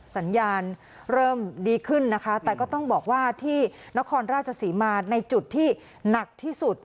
สัญญาณเริ่มดีขึ้นนะคะแต่ก็ต้องบอกว่าที่นครราชศรีมาในจุดที่หนักที่สุด